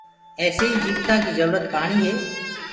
ايسي ئيٚ جيوتآنٚ ڪيٚ جروٚرت پآڻيٚ هي